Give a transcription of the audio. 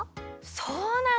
そうなの！？